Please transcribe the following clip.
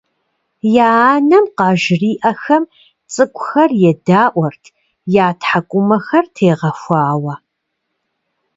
Я анэм къажриӀэхэм цӀыкӀухэр едаӀуэрт я тхьэкӀумэхэр тегъэхуауэ.